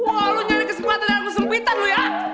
wah lo nyari kesempatan dalam kesempitan lo ya